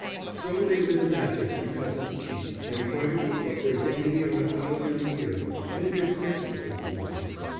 So they live in Essex because it's cheap, and try to keep up their dignity on a thousand a year, and they're desperately bored.